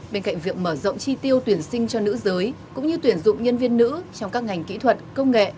bên cạnh việc mở rộng chi tiêu tuyển sinh cho nữ giới cũng như tuyển dụng nhân viên nữ trong các ngành kỹ thuật công nghệ